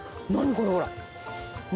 このほら。